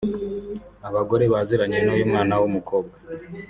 Abagore baziranye n’uyu mwana w’umukobwa